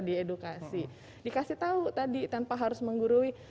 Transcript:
diedukasi dikasih tahu tadi tanpa harus menggurui